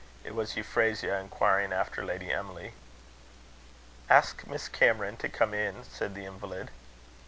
It was Euphrasia, inquiring after Lady Emily. "Ask Miss Cameron to come in," said the invalid.